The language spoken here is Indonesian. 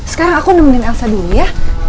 sekarang aku nemenin elsa dulu ya